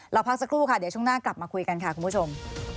พักสักครู่ค่ะเดี๋ยวช่วงหน้ากลับมาคุยกันค่ะคุณผู้ชม